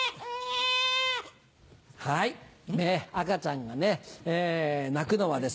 はい赤ちゃんが泣くのはですね